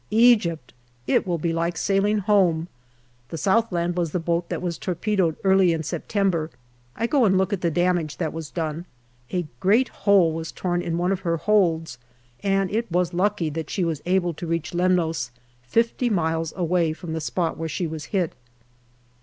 Egypt ! It will be like sailing home. The Southland was the boat which was torpedoed early in September. I go and look at the damage that was done. A great hole was torn in one of her holds, and it was lucky that she was able to reach Lemnos, fifty miles away from the spot where she was hit.